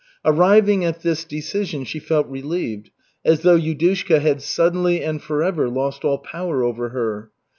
Arriving at this decision, she felt relieved, as though Yudushka had suddenly and forever lost all power over her.